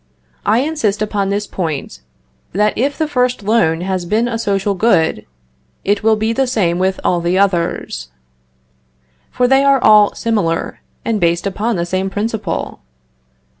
I insist upon this point that if the first loan has been a social good, it will be the same with all the others; for they are all similar, and based upon the same principle.